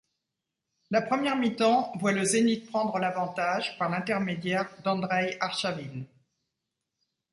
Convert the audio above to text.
La première mi-temps voit le Zénith prendre l'avantage par l'intermédiaire d'Andreï Archavine.